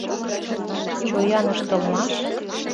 Чоян ыштылмаш?